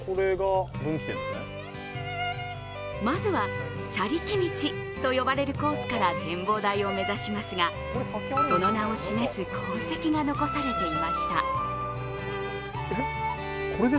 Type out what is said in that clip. まずは車力道と呼ばれるコースから展望台を目指しますが、その名を示す痕跡が残されていました。